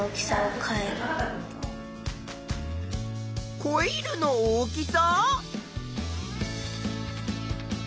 コイルの大きさ？